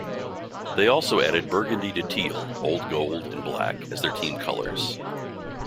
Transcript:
They also added burgundy to teal, old gold and black as their team colours.